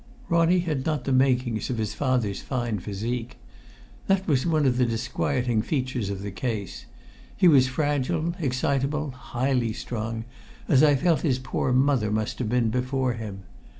Ronnie had not the makings of his father's fine physique. That was one of the disquieting features of the case. He was fragile, excitable, highly strung, as I felt his poor mother must have been before him.